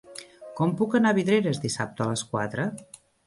Com puc anar a Vidreres dissabte a les quatre?